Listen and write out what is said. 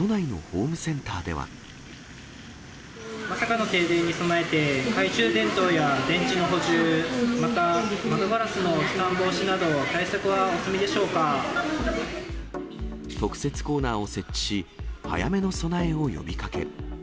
まさかの停電に備えて、懐中電灯や電池の補充、また窓ガラスの飛散防止など、特設コーナーを設置し、早めの備えを呼びかけ。